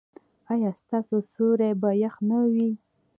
ایا ستاسو سیوري به يخ نه وي؟